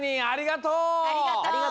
ありがとう！